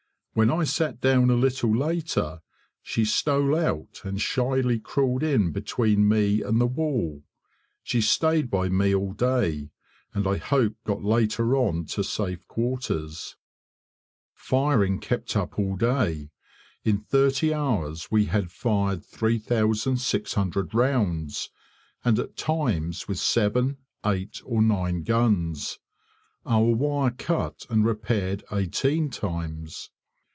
When I sat down a little later, she stole out and shyly crawled in between me and the wall; she stayed by me all day, and I hope got later on to safe quarters. Firing kept up all day. In thirty hours we had fired 3600 rounds, and at times with seven, eight, or nine guns; our wire cut and repaired eighteen times.